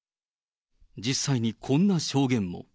実際にこんな証言も。